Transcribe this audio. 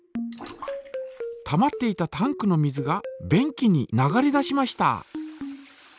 たまっていたタンクの水が便器に流れ出しました。